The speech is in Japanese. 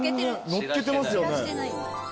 のっけてますよね。